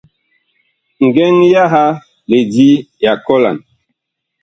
Ngɛŋ yaha lidi ya kɔlan.